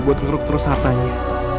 buat ngeruk terus hartanya